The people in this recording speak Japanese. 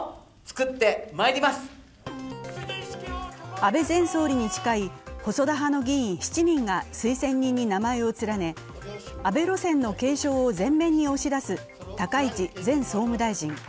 安倍前総理に近い細田派の議員７人が推薦人に名前を連ね、安倍路線の継承を前面に押し出す高市前総務大臣。